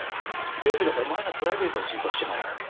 別にお前のプライベートの心配してないだろ。